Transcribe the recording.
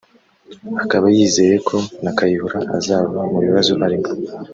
akaba yizeye ko na Kayihura azava mu bibazo arimo